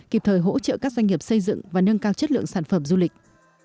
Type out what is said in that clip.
kịp thời hỗ trợ các doanh nghiệp xây dựng và nâng cao chất lượng sản phẩm du lịch